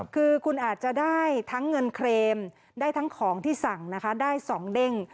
คือคุณอาจจะได้ทั้งเงินเครมได้ทั้งของที่สั่งนะคะได้๒เด้ง